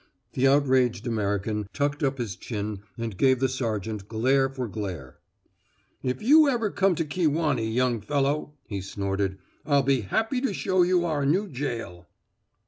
The outraged American tucked up his chin and gave the sergeant glare for glare. "If you ever come to Kewanee, young fellow," he snorted. "I'll be happy to show you our new jail."